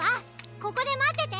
ここでまってて！